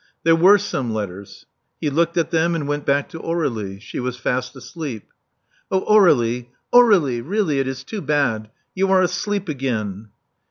There were some letters. He looked at them, and went back to Aur^He. She was fast asleep. Oh, Aur^lie ! Aur^lie ! Really it is too bad. You are asleep again."